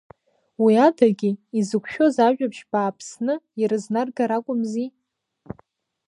Уи адагьы, изықәшәоз ажәабжь бааԥсны ирызнаргар акәымзи.